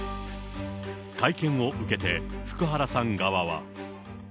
会見を受けて福原さん側は。